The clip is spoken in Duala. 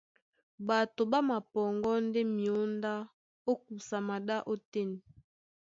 Ɓato ɓá mapɔŋgɔ́ ndé myǒndá ó kusa maɗá ótên.